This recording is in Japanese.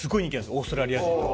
オーストラリア人とか。